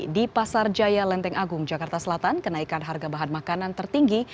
di pasar jaya lenteng agung jakarta selatan kenaikan harga bahan makanan tertinggi